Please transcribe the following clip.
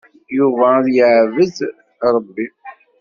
Yuba ad yeɛbed Ṛebbi.